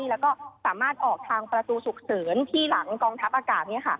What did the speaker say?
แล้วก็สามารถออกทางประตูฉุกเฉินที่หลังกองทัพอากาศ